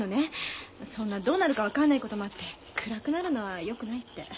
そんなどうなるか分かんないこと待って暗くなるのはよくないって。